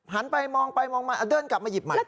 หันไปมองไปมองมาเดินกลับมาหยิบใหม่